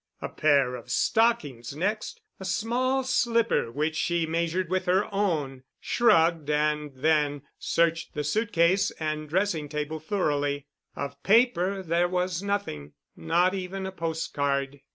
A pair of stockings next—a small slipper which she measured with her own, shrugged, and then searched the suit case and dressing table thoroughly. Of paper there was nothing—not even a post card.